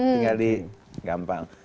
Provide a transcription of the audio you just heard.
tinggal di gampang